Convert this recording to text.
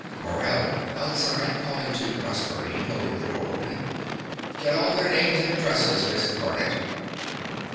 MORELL. (outside, calling to Proserpine, holding the door open). Get all their names and addresses, Miss Garnett.